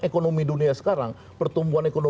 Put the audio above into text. ekonomi dunia sekarang pertumbuhan